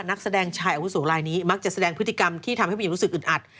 นักแสดงชายอาวุโสลายนี้มักจะแสดงพฤติกรรมที่ทำให้ผู้หญิงรู้สึกอึดอัด